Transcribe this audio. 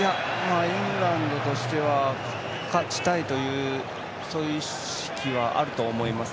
イングランドとしては勝ちたいという意識はあると思います。